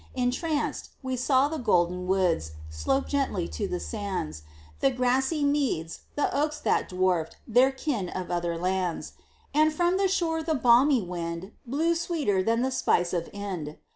Entranced, we saw the golden woods Slope gently to the sands; The grassy meads, the oaks that dwarfed Their kin of other lands; And from the shore the balmy wind Blew sweeter than the spice of Ind.